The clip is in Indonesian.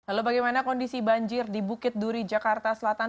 lalu bagaimana kondisi banjir di bukit duri jakarta selatan